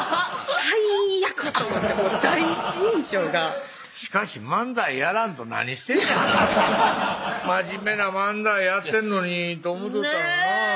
最悪！と思って第一印象がしかし漫才やらんと何してんねや真面目な漫才やってんのにと思とったのになぁ